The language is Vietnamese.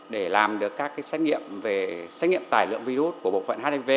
để làm được các xét nghiệm về xét nghiệm tải lượng virus của bộ phận hiv